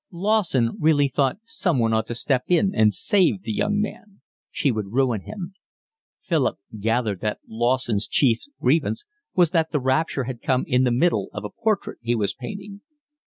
Lawson really thought someone ought to step in and save the young man. She would ruin him. Philip gathered that Lawson's chief grievance was that the rupture had come in the middle of a portrait he was painting.